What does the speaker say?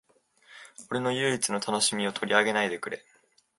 俺の唯一の楽しみを取り上げないでくれ